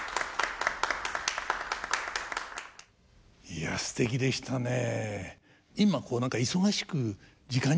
いやすてきでしたね。